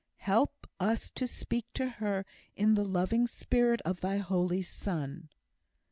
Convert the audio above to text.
Help us to speak to her in the loving spirit of thy Holy Son!"